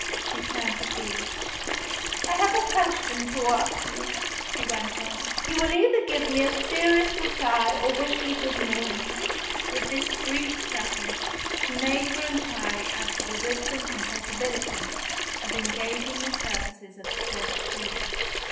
She turned to Felix. "I have a question to ask you," she went on. "You will either give me a serious reply, or wish me good morning." With this brief preface, she made her inquiry as to the wisdom and possibility of engaging the services of the French police.